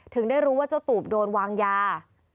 ถึงได้รู้ว่าเจ้าตูบโดนวางยา